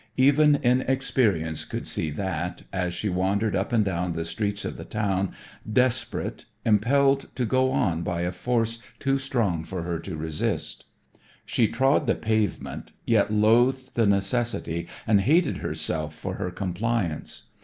Even inexperience could see that as she wandered up and down the streets of the town, desperate, impelled to go on by a force too strong for her to resist. She trod the pavement, yet loathed the necessity and hated herself for her compliance.